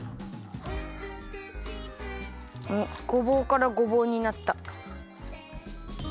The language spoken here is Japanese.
おっごぼうからごぼうになった。